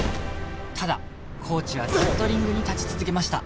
ただコーチはずっとリングに立ち続けました